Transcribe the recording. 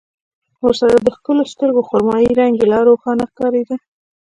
ورسره د ښکلو سترګو خرمايي رنګ يې لا روښانه ښکارېده.